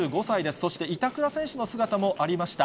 そして板倉選手の姿もありました。